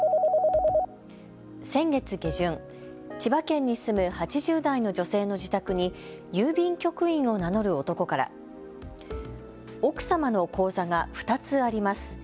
先月下旬、千葉県に住む８０代の女性の自宅に郵便局員を名乗る男から奥様の口座が２つあります。